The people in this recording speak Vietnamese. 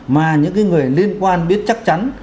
mà những cái người liên quan biết chắc chắn